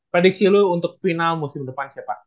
prediksi lo untuk final musim depan siapa